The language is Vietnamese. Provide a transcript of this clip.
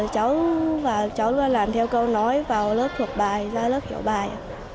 cháu luôn làm theo câu nói vào lớp thuộc bài ra lớp hiểu bài